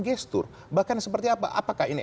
gestur bahkan seperti apa apakah ini